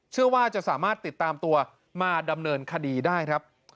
เชื่อว่าจะสามารถติดตามตัวมาดำเนินคดีได้ครับ